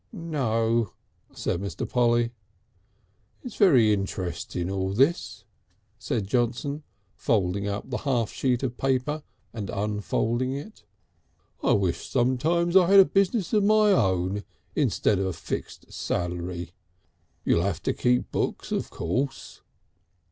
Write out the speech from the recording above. "No," said Mr. Polly. "It's very interesting, all this," said Johnson, folding up the half sheet of paper and unfolding it. "I wish sometimes I had a business of my own instead of a fixed salary. You'll have to keep books of course."